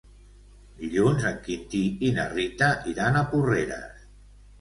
Dilluns en Quintí i na Rita iran a Porreres.